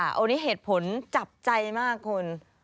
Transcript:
อันนี้เหตุผลจับใจมากคุณ